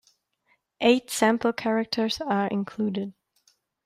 Eight sample characters are included.